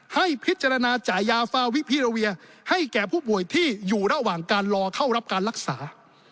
ให้พิจารณาจ่ายยาฟาวิพิราเวียให้แก่ผู้ป่วยที่อยู่ระหว่างการรอเข้ารับการรักษา